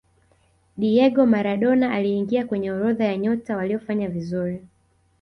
diego maradona aliingia kwenye orodha ya nyota waliofanya vizuri